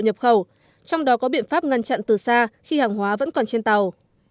nhập khẩu trong đó có biện pháp ngăn chặn từ xa khi hàng hóa vẫn còn trên tàu